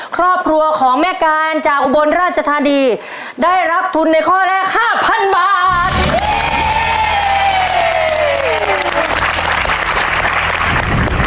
ครอบครัวของแม่การจากอุบลราชธานีได้รับทุนในข้อแรก๕๐๐๐บาท